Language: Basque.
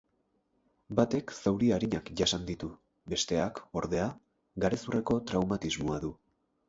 Batek zauri arinak jasan ditu, besteak, ordea, garezurreko traumatismoa du.